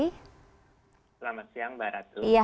selamat siang mbak ratu